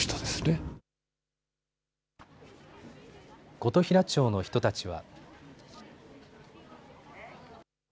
琴平町の人たちは。